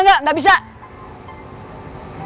lu pacaran mau ngapain sih emangnya